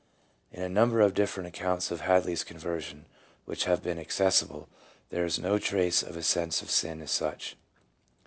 2 In a number of different accounts of Hadley's conversion which have been accessible, there is no trace of a sense of sin as such.